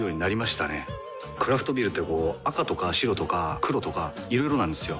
クラフトビールってこう赤とか白とか黒とかいろいろなんですよ。